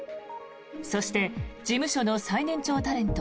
そして事務所の最年長タレント